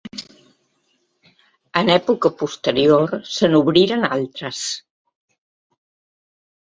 En època posterior se n'obriren altres.